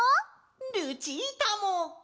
ルチータも！